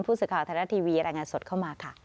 ผู้สึกข่าวไทยรัตนาทีวีแรงงานสดเข้ามาค่ะ